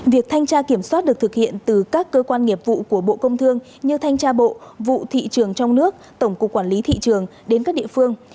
việc thanh tra kiểm soát được thực hiện từ các cơ quan nghiệp vụ của bộ công thương như thanh tra bộ vụ thị trường trong nước tổng cục quản lý thị trường đến các địa phương